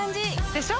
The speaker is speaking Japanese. でしょ？